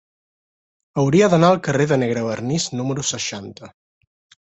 Hauria d'anar al carrer de Negrevernís número seixanta.